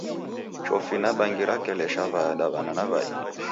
Chofi na bangi rakelesha w'adaw'ana na w'ai.